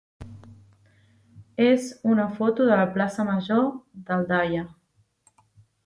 és una foto de la plaça major d'Aldaia.